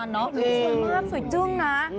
สวยมากสวยจึ้งนะ